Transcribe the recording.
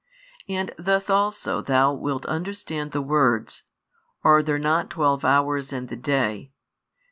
And thus also thou wilt understand the words: Are there not twelve hours in the day?